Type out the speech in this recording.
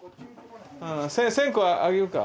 線香上げようか。